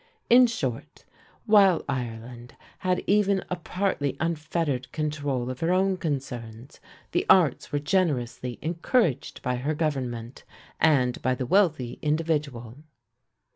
In short, while Ireland had even a partly unfettered control of her own concerns, the arts were generously encouraged by her government and by the wealthy individual.